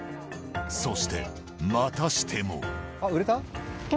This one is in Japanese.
そして、またしても。